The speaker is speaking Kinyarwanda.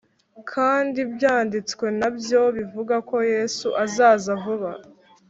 Kand’ ibyanditswe na byo bivuga ,ko yesu azaza vuba